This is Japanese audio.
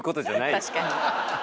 確かに。